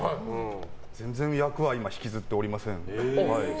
全然役は引きずっておりません。